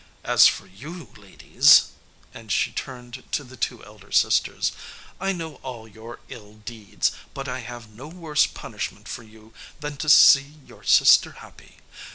As for you, ladies," and she turned to the two elder sisters, "I know all your ill deeds, but I have no worse punishment for you than to see your sister happy.